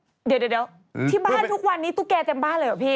เดี๋ยวที่บ้านทุกวันนี้ตุ๊กแกเต็มบ้านเลยเหรอพี่